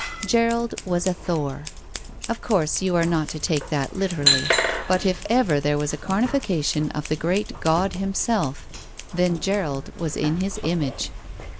Gerald was a Thor. Of course, you are not to take that literally ; but if ever there was a camifica tion of the great god himself, then Gerald was in his image.